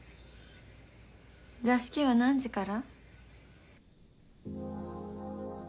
座敷は何時から？